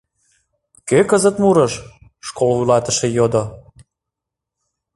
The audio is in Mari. — Кӧ кызыт мурыш? — школ вуйлатыше йодо.